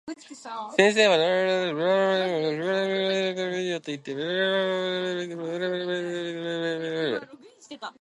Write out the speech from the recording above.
先生は暫く僕を見つめていましたが、やがて生徒達に向って静かに「もういってもようございます。」といって、みんなをかえしてしまわれました。生徒達は少し物足らなそうにどやどやと下に降りていってしまいました。